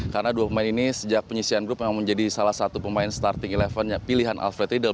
karena dua pemain ini sejak penyisian grup memang menjadi salah satu pemain starting eleven pilihan alfred riedel